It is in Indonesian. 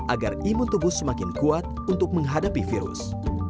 agar imun tubuh semakin kuat untuk menghadapi virus